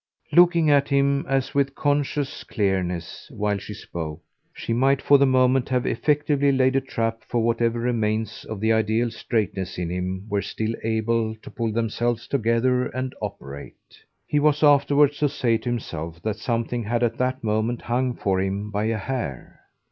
Looking at him as with conscious clearness while she spoke, she might for the moment have effectively laid a trap for whatever remains of the ideal straightness in him were still able to pull themselves together and operate. He was afterwards to say to himself that something had at that moment hung for him by a hair.